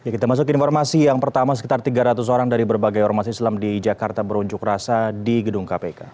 kita masuk ke informasi yang pertama sekitar tiga ratus orang dari berbagai ormas islam di jakarta berunjuk rasa di gedung kpk